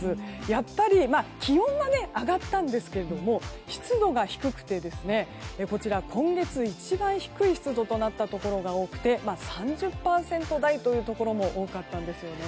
やっぱり気温は上がったんですけれども湿度が低くてこちら今月一番低い湿度となったところが多くて３０％台というところも多かったんですよね。